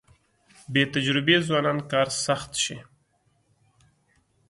بې تجربې ځوانان کار سخت شي.